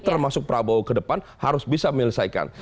termasuk prabowo ke depan harus bisa menyelesaikan